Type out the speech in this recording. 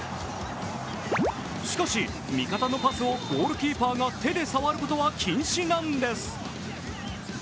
しかし、味方のパスをゴールキーパーが手で触ることは禁止なんです。